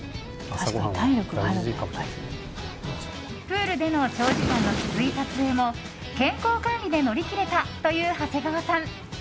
プールでの長時間のきつい撮影も健康管理で乗り切れたという長谷川さん。